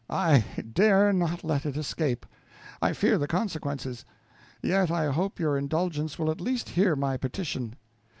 I dare not let it escape. I fear the consequences; yet I hope your indulgence will at least hear my petition.